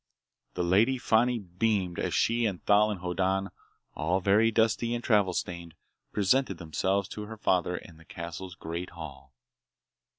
The Lady Fani beamed as she and Thal and Hoddan, all very dusty and travel stained, presented themselves to her father in the castle's great hall.